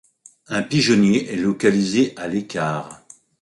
Un pigeonnier est localisé à l'écart.